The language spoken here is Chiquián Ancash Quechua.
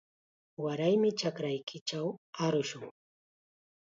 Waraymi chakraykichaw arushun.